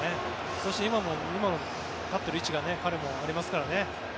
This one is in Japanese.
そして、今立っている位置が彼にもありますからね。